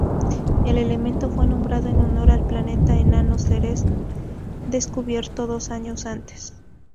El elemento fue nombrado en honor al planeta enano Ceres, descubierto dos años antes.